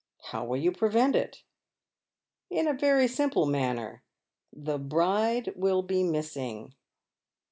" How will you prevent it ?"*' In a very simple manner. The bride will be missing."